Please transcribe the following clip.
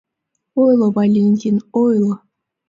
Ойло, Валентин, ойло.